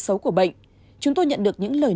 xấu của bệnh chúng tôi nhận được những lời